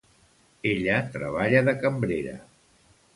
Ella treballa de cambrera.